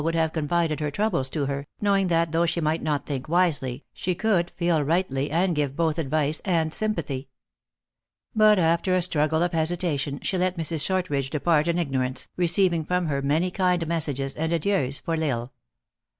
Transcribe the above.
would have confided her troubles to her, knowing that, though she might not think wisely, she could feel rightly, and give both advice and sympathy. But after a struggle of hesitation, she let Mrs. Short ridge depart in ignorance, receiving from her many kind messages and adieus for L Isle.